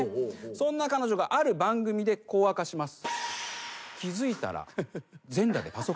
そんな彼女がある番組でこう明かします。